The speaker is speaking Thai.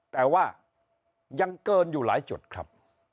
แต่ว่ายังเกินอยู่หลายจุดครับ